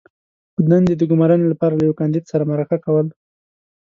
-په دندې د ګمارنې لپاره له یوه کاندید سره مرکه کول